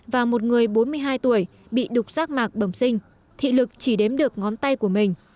và một người bốn mươi hai tuổi bị đục rác mạc bẩm sinh thị lực chỉ đếm được ngón tay của mình